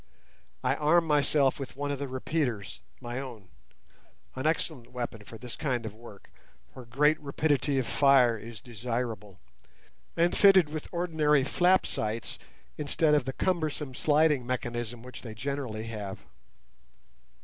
I armed myself with one of the repeaters—my own; an excellent weapon for this kind of work, where great rapidity of fire is desirable, and fitted with ordinary flap sights instead of the cumbersome sliding mechanism which they generally have.